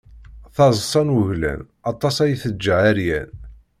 Taḍsa n wuglan, aṭas ay teǧǧa ɛeryan.